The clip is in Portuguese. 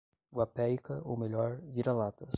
Guapeica, ou melhor, vira-latas